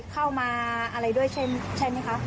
ใช่มั้ยครับ